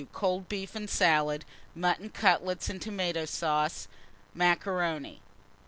Cold beef and salad; mutton cutlets and tomata sauce. 3. Macaroni.